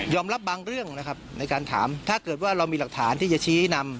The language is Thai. รับบางเรื่องนะครับในการถามถ้าเกิดว่าเรามีหลักฐานที่จะชี้นำ